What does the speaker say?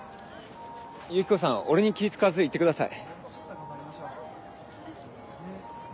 ユキコさん俺に気ぃ使わず行ってください。